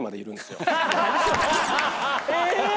え！